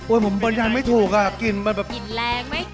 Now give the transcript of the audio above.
โอ้ยผมบรรยายไม่ถูกอ่ะกลิ่นแรงไม่